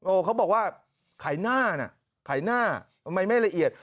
โอ้เขาบอกว่าขายหน้านะขายหน้ามันไม่ละเอียด